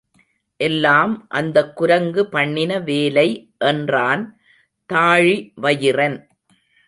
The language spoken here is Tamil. எல்லாம் அந்தக் குரங்கு பண்ணின வேலை என்றான் தாழிவயிறன்.